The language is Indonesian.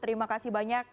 terima kasih banyak